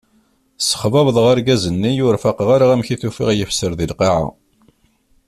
Ssexbabḍeɣ argaz-nni ur faqeɣ ara amek i t-ufiɣ yefser di lqaɛa.